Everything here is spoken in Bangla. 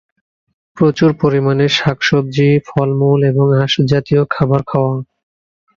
প্রচুর পরিমাণে শাক-সবজি, ফলমূল এবং আঁশজাতীয় খাবার খাওয়া।